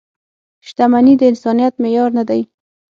• شتمني د انسانیت معیار نه دی.